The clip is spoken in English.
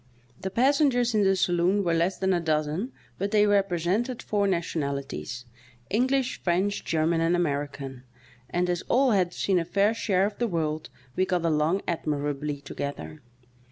The pas sengers in the saloon were less than a dozen, but they represented foar nationalities — English, French, German and American — and as all had seen a fair share of the world we got along admi rably together.